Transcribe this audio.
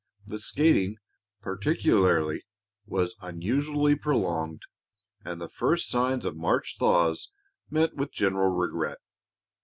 The skating, particularly, was unusually prolonged, and the first signs of March thaws met with general regret.